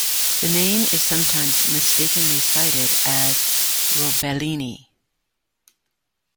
The name is sometimes mistakenly cited as "roebelinii".